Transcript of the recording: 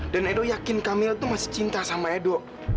dan edo yakin kamila tuh masih cinta sama edo